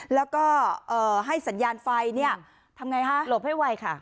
แล้วก็ให้สัญญาณไฟเนี่ยทำไงฮะหลบให้ไวค่ะ